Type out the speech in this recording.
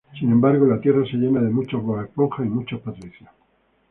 Sin embargo, la tierra se llena de muchos Bob Esponjas y muchos Patricios.